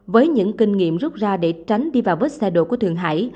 với những kinh nghiệm rút ra để tránh đi vào vết xe đổ của thượng hải